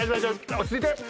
落ち着いて！